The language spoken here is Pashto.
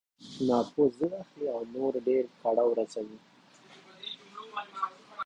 ناپوه ضد اخلي او نور ډېر کړاو رسوي.